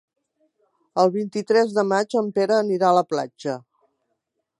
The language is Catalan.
El vint-i-tres de maig en Pere anirà a la platja.